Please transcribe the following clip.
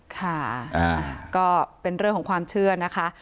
ค่ะก็เป็นเรื่องของความเชื่อนะคะ